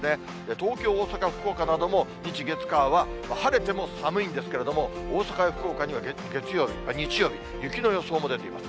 東京、大阪、福岡なども、日、月、火は晴れても寒いんですけれども、大阪や福岡には、日曜日、雪の予想も出ています。